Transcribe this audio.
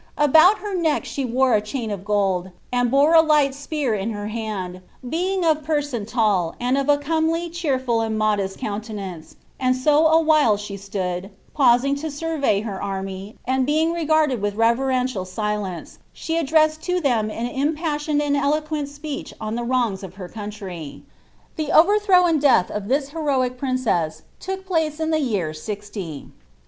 About her neck she wore a chain of gold, and bore 3 light " tn her hand, being of person tall, and of a comely, cheerful, and ■t countenance; and so a while she stood, pausing to survey htv , and being regarded with reverential silence, she addressed Uk an Impassioned and eloquent speech on the wrongs of her o try." The overthrow and death of iliis heroic princess took place ia t year 60 ^.